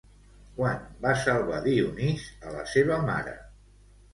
Quan va salvar Dionís a la seva mare?